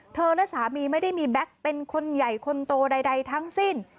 และสามีไม่ได้มีแบ็คเป็นคนใหญ่คนโตใดทั้งสิ้น